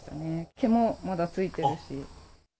毛もまだ付いてるし。